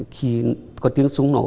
khi có tiếng súng nổ